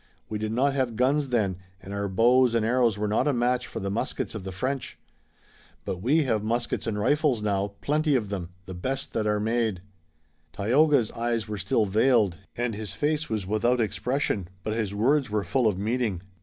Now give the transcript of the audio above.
We did not have guns then, and our bows and arrows were not a match for the muskets of the French. But we have muskets and rifles now, plenty of them, the best that are made." Tayoga's eyes were still veiled, and his face was without expression, but his words were full of meaning.